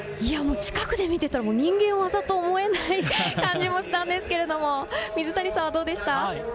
近くで見ていたら人間技とは思えない感じもしたんですけれども、水谷さん、どうでしたか？